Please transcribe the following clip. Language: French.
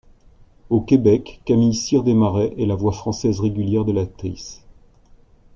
Au Québec, Camille Cyr-Desmarais est la voix française régulière de l'actrice.